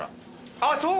あっそうだ！